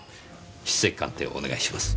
筆跡鑑定をお願いします。